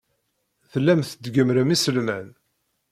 Tellam tgemmrem iselman.